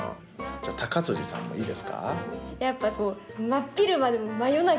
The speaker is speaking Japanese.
じゃあさんもいいですか？